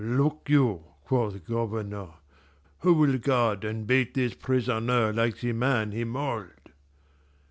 'Look you,' quoth Governor, 'who will guard and bait this prisoner like the man he mauled?